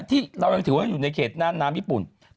ที่เรายังถือว่าอยู่ในเขตน่านน้ำญี่ปุ่น